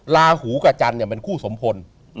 ลาหูกับจันทร์เป็นคู่สมพล